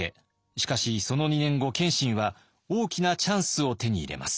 しかしその２年後謙信は大きなチャンスを手に入れます。